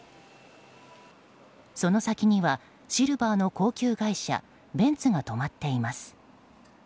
その先には、シルバーの高級外車ベンツが止まっています。